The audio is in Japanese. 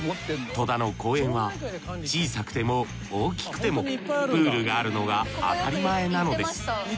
戸田の公園は小さくても大きくてもプールがあるのが当たり前なのです。